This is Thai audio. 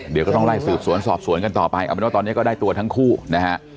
เดี๋ยวก็ต้องไล่สืบสวนสอบสวนกันต่อไปเอาเป็นว่าตอนนี้ก็ได้ตัวทั้งคู่นะฮะ